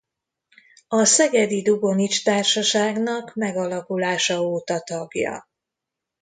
A szegedi Dugonics Társaságnak megalakulása óta tagja.